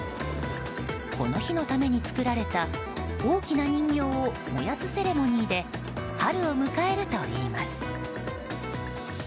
この日のために作られた大きな人形を燃やすセレモニーで春を迎えるといいます。